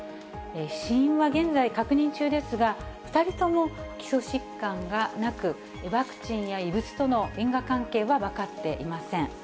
死因は現在、確認中ですが、２人とも、基礎疾患がなく、ワクチンや異物との因果関係は分かっていません。